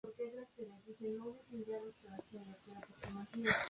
Es licenciada en derecho por la Universidad de Valladolid.